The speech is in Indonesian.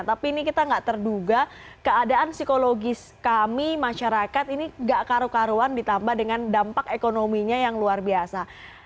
tapi ini kita nggak terduga keadaan psikologis kami masyarakat ini gak karu karuan ditambah dengan dampak ekonominya yang luar biasa